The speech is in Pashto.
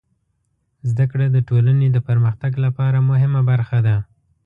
زدهکړه د ټولنې د پرمختګ لپاره مهمه برخه ده.